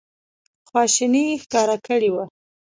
خواشیني ښکاره کړې وه.